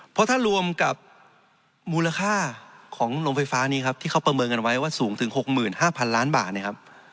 เพราะถ้ารวมกับมูลค่าของโรงไฟฟ้านี้ครับที่เขาประเมินกันไว้ว่าสูงถึง๖๕๐๐ล้านบาทนะครับ